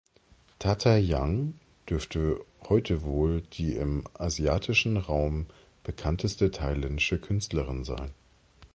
Tata Young dürfte heute wohl die im asiatischen Raum bekannteste thailändische Künstlerin sein.